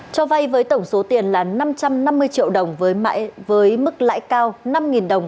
cho vay với tổng số tiền là năm trăm năm mươi triệu đồng với mức lãi cao năm đồng một triệu một ngày